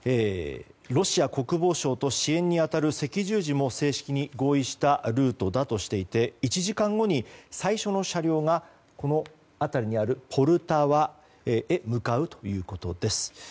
ロシア国防省と支援に当たる赤十字も正式に合意したルートだとしていて１時間後に最初の車両がこの辺りにあるポルタワへ向かうということです。